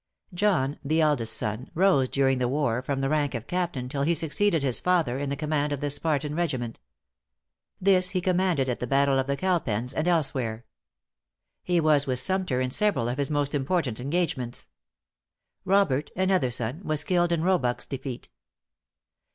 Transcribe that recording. John, the eldest son, rose during the war from the rank of captain till he succeeded his father in the command of the Spartan regiment. This he commanded at the battle of the Cowpens, and elsewhere. He was with Sumter in several of his most important engagements. Robert, another son, was killed in Roebuck's defeat.